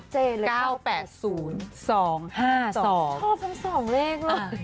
ชอบทำ๒เลขเลย